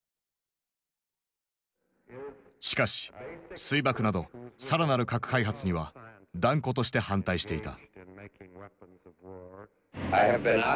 しかし水爆など更なる核開発には断固として反対していた。